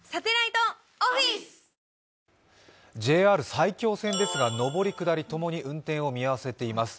ＪＲ埼京線ですが、上り下りともに運転を見合わせています。